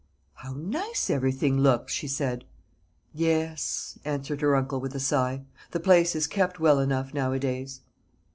"How nice everything looks!" she said. "Yes," answered her uncle, with a sigh; "the place is kept well enough nowadays."